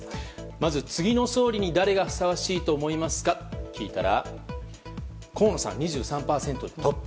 まず次の総理に誰がふさわしいと思いますか？と聞いたら河野さん、２３％でトップ。